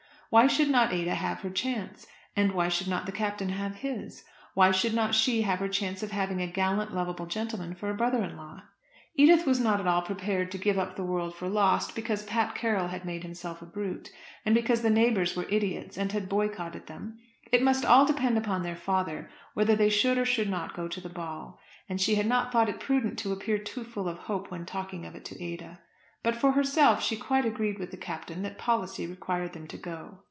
Why should not Ada have her chance? And why should not the Captain have his? Why should not she have her chance of having a gallant lovable gentleman for a brother in law? Edith was not at all prepared to give the world up for lost, because Pat Carroll had made himself a brute, and because the neighbours were idiots and had boycotted them. It must all depend upon their father, whether they should or should not go to the ball. And she had not thought it prudent to appear too full of hope when talking of it to Ada; but for herself she quite agreed with the Captain that policy required them to go.